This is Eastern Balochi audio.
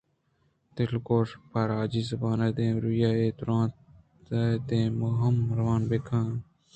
دلگوش: پہ راجی زُبان ءِ دیمروئی ءَ اِے درونت ءَ دیم ءَ ھم روان بہ کن اِت۔